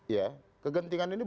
ya kegentingan ini